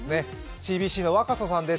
ＣＢＣの若狭さんです。